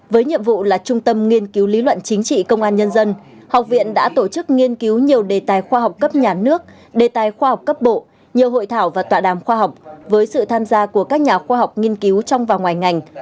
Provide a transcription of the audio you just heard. với nhiệm vụ là trung tâm nghiên cứu lý luận chính trị công an nhân dân học viện đã tổ chức nghiên cứu nhiều đề tài khoa học cấp nhà nước đề tài khoa học cấp bộ nhiều hội thảo và tọa đàm khoa học với sự tham gia của các nhà khoa học nghiên cứu trong và ngoài ngành